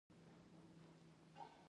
یو افغاني ملا صاحب دعا پیل کړه.